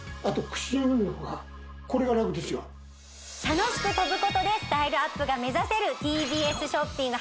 楽しく跳ぶことでスタイルアップが目指せるＴＢＳショッピング